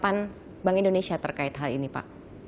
kapan bank indonesia terkait hal ini pak